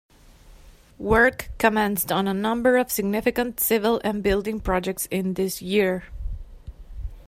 Work commenced on a number of significant civil and building projects in this year.